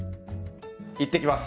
いってきます！